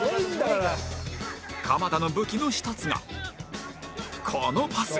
鎌田の武器の１つがこのパス